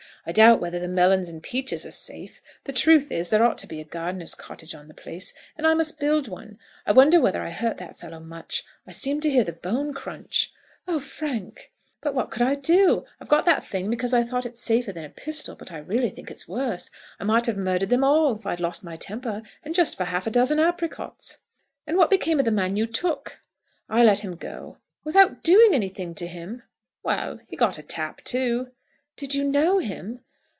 I doubt whether the melons and peaches are safe. The truth is, there ought to be a gardener's cottage on the place, and I must build one. I wonder whether I hurt that fellow much. I seemed to hear the bone crunch." "Oh, Frank!" "But what could I do? I got that thing because I thought it safer than a pistol, but I really think it's worse. I might have murdered them all, if I'd lost my temper, and just for half a dozen apricots!" "And what became of the man you took?" "I let him go." "Without doing anything to him?" "Well; he got a tap too." "Did you know him?"